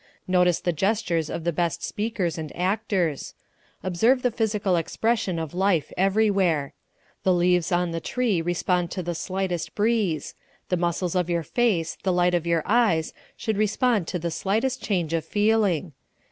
Notice the gestures of the best speakers and actors. Observe the physical expression of life everywhere. The leaves on the tree respond to the slightest breeze. The muscles of your face, the light of your eyes, should respond to the slightest change of feeling.